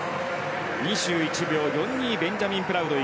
２１秒４２ベンジャミン・プラウド